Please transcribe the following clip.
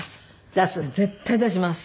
出す？絶対出します。